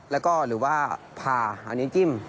แล้วก็หรือว่าพาหานิ้วจิ้ม